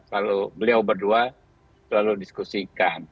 lalu beliau berdua selalu diskusikan